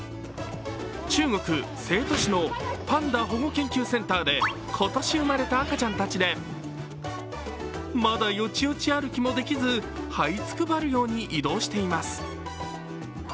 中国・成都市のパンダ保護研究センターで今年生まれた赤ちゃんたちでまだ、よちよち歩きもできずはいつくばるように移動しています。